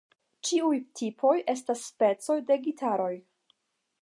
Ĉiuj tipoj estas specoj de gitaroj.